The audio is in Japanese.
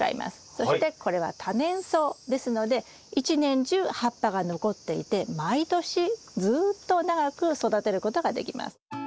そしてこれは多年草ですので一年中葉っぱが残っていて毎年ずっと長く育てることができます。